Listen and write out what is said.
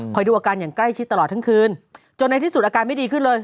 ดูอาการอย่างใกล้ชิดตลอดทั้งคืนจนในที่สุดอาการไม่ดีขึ้นเลย